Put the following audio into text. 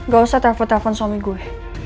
gak usah telfon telfon suami gue